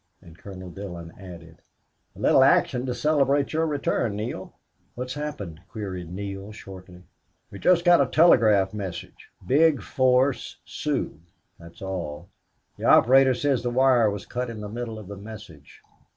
And Colonel Dillon added, "A little action to celebrate your return, Neale!" "What's happened?" queried Neale, shortly. "We just got a telegraph message: 'Big force Sioux.' That's all. The operator says the wire was cut in the middle of the message."